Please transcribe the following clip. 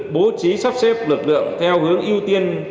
bố trí sắp xếp lực lượng theo hướng ưu tiên